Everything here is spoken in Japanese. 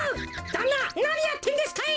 だんななにやってんですかい！